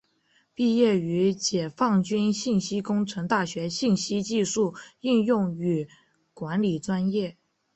毕业于解放军信息工程大学信息技术应用与管理专业。